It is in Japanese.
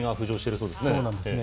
そうなんですね。